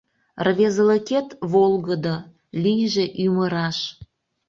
Рвезылыкет волгыдо, Лийже ӱмыраш!